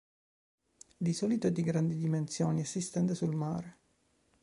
Di solito è di grandi dimensioni e si estende sul mare.